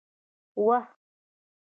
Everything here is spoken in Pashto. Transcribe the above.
وه